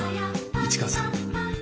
市川さん。